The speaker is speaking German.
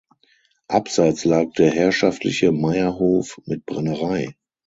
Abseits lag der herrschaftliche Meierhof mit Brennerei.